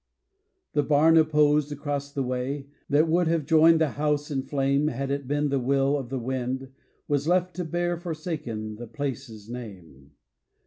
that rhe bam opposed across the way, That would have Joined the house in flame Had it been the will of the wind, was left To bear forsaken the place's name.